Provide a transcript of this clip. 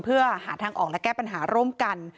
เพื่อหาทางออกและแก้ปัญหาร่วมกัน